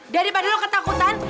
daripada lo ketakutan